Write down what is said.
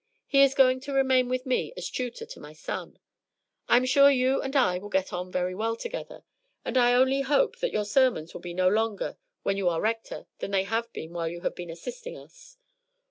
He is going to remain with me as tutor to my son. I am sure you and I will get on very well together, and I only hope that your sermons will be no longer when you are Rector than they have been while you have been assisting us.